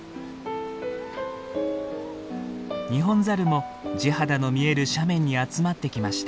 ニホンザルも地肌の見える斜面に集まってきました。